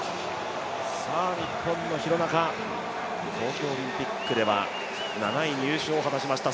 日本の廣中、東京オリンピックでは７位入賞を果たしました。